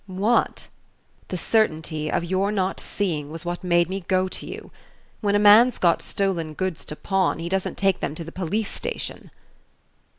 "What ?" "The certainty of your not seeing was what made me go to you. When a man's got stolen goods to pawn he doesn't take them to the police station."